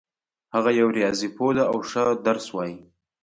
هغه یو ریاضي پوه ده او ښه درس وایي